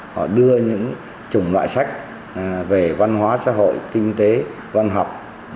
họ đưa những chủng loại sách về văn hóa xã hội kinh tế văn học